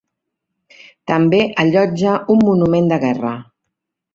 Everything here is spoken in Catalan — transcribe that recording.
També allotja un monument de guerra.